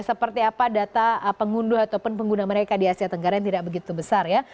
seperti apa data pengunduh ataupun pengguna mereka di asia tenggara yang tidak begitu besar ya